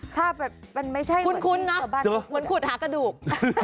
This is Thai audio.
ภาพแบบมันไม่ใช่เหมือนกันแต่ว่าบ้านเขาคุ้นนะเหมือนขุดหากระดูก